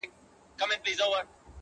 ستا خالونه مي ياديږي ورځ تېرېږي-